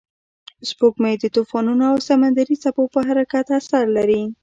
سپوږمۍ د طوفانونو او سمندري څپو پر حرکت اثر لري